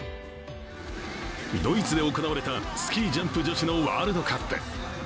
ドイツで行われたスキージャンプ女子のワールドカップ。